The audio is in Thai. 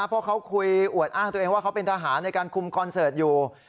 เพราะเขาคุยอวดอ้างตัวเองว่าเขาเป็นทหารในการคุมคอนเสิร์ตอยู่